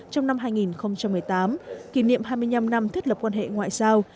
trong năm hai nghìn một mươi tám kỷ niệm hai mươi năm năm thiết lập quan hệ ngoại giao